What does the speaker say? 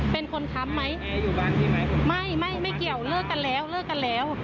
เป็นคนค้ำไหมไม่ไม่ไม่เกี่ยวเลิกกันแล้วเลิกกันแล้ว